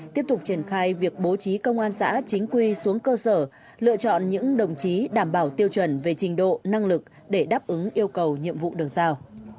tiếp tục triển khai việc bố trí công an xã chính quy xuống cơ sở lựa chọn những đồng chí đảm bảo tiêu chuẩn về trình độ năng lực để đáp ứng yêu cầu nhiệm vụ được giao